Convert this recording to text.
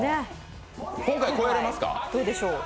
今回超えられますか？